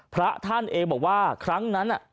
พระท่านเองบอกว่าครั้งนั้น